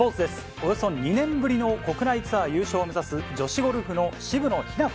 およそ２年ぶりの国内ツアー優勝を目指す女子ゴルフの渋野日向子